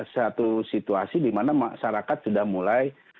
satu situasi di mana masyarakat sudah mulai